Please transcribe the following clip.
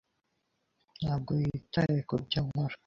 ntabwo yitaye kubyo nkora.